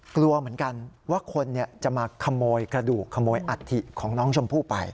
กลัวเหมือนกันว่าคนจะมาขโมยกระดูกขโมยอัฐิของน้องชมพู่ไป